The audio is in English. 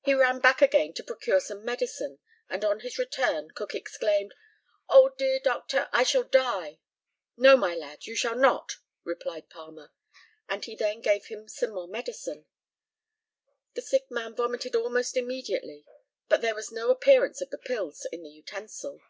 He ran back again to procure some medicine; and on his return Cook exclaimed, "Oh dear, doctor, I shall die!" "No, my lad, you shall not," replied Palmer; and he then gave him some more medicine. The sick man vomited almost immediately, but there was no appearance of the pills in the utensil.